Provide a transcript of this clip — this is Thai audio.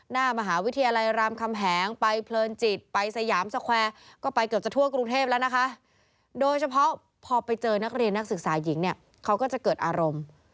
นักเรียนนักศึกษาหญิงเขาก็จะเกิดอารมณ์